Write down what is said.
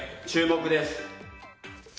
注目です。